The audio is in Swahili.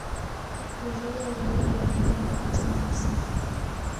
kuzuia uwindaji wa wanyama kwa kuchoma misitu